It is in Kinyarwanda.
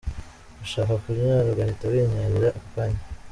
Gushaka kunyara ugahita winyarira ako kanya.